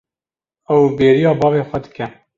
Ew bêriya bavê xwe dike.